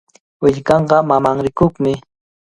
Willkanqa mamanrikuqmi.